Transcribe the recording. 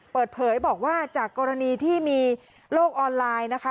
เปิดเผยบอกว่าจากกรณีที่มีโลกออนไลน์นะคะ